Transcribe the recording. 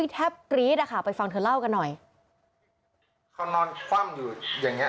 แทบกรี๊ดอ่ะค่ะไปฟังเธอเล่ากันหน่อยเขานอนคว่ำอยู่อย่างเงี้